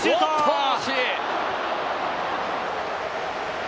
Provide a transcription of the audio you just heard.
惜しい。